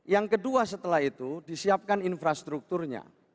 yang kedua setelah itu disiapkan infrastrukturnya